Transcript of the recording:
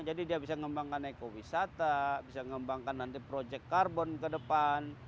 jadi dia bisa mengembangkan ekowisata bisa mengembangkan nanti projek karbon ke depan